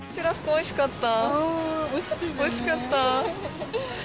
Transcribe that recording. おいしかった。